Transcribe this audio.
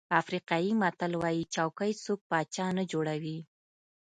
افریقایي متل وایي چوکۍ څوک پاچا نه جوړوي.